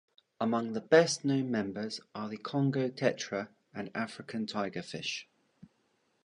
Among the best known members are the Congo tetra, and African tigerfish.